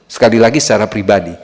sekali lagi secara pribadi